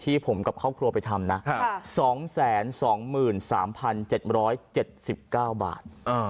ผมกับครอบครัวไปทำนะ๒๒๓๗๗๙บาท